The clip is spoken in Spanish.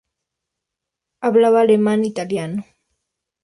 Hablaba alemán, italiano.